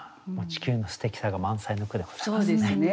地球のすてきさが満載の句でございますね。